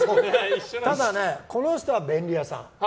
ただね、この人は便利屋さん。